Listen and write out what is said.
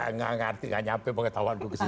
enggak ngerti enggak nyampe pengetahuan gue ke situ